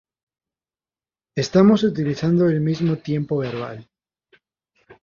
estamos utilizando el mismo tiempo verbal